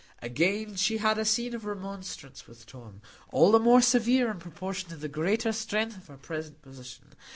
Again she had a scene of remonstrance with Tom, all the more severe in proportion to the greater strength of her present position.